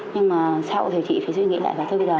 nhưng mà sau thì chị phải suy nghĩ lại là thôi bây giờ